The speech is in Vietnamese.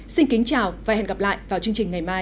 xin kính chào và hẹn gặp lại vào chương trình ngày mai